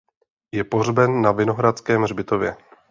Je pohřben na Vinohradském hřbitově.